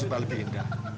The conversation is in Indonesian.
supal lebih indah